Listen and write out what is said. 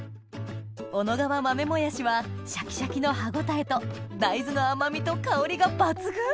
小野川豆もやしはシャキシャキの歯応えと大豆の甘みと香りが抜群！